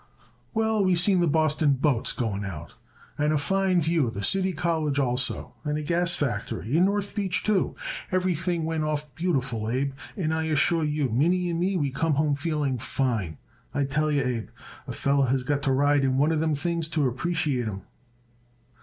"Well, we seen the Boston boats going out, and a fine view of the City College also, and a gas factory and North Beach, too. Everything went off beautiful, Abe, and I assure you Minnie and me we come home feeling fine. I tell you, Abe, a feller has got to ride in one of them things to appreciate 'em."